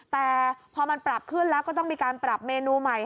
แต่พอมันปรับขึ้นแล้วก็ต้องมีการปรับเมนูใหม่